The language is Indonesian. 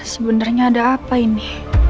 sebenernya ada apa ini